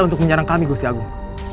untuk menyerang kami gusti agung